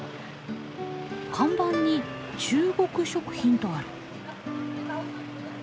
看板に「中国食品」とある。